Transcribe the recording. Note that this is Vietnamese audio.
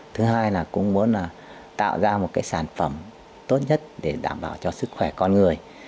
thứ hai là cũng muốn tạo ra một cái sản phẩm tốt nhất để đảm bảo cho sức khỏe con người